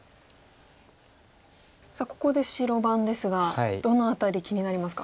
さあここで白番ですがどの辺り気になりますか？